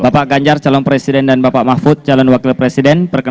bapak ganjar calon presiden dan bapak mahfud calon wakil presiden